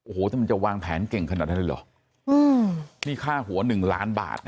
โอ้โหมันจะวางแผนเก่งขนาดนั้นเลยหรอนี่ค่าหัว๑ล้านบาท